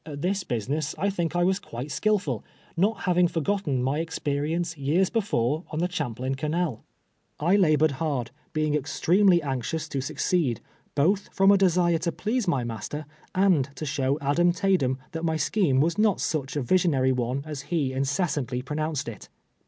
At this business I think I was quite skillful, not having forgotteii my experience years before on the Champlain canal. I labored hard, being extremely anxious to succeed, both from a desire to please my master, and to show Adam Taydem that my scheme was not such a vis ionary one as he incessantly pronounced it.